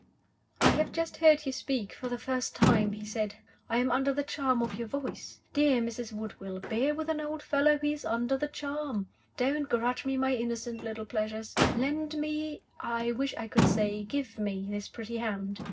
"I have just heard you speak for the first time," he said. "I am under the charm of your voice. Dear Mrs. Woodville, bear with an old fellow who is under the charm! Don't grudge me my innocent little pleasures. Lend me I wish I could say give me this pretty hand.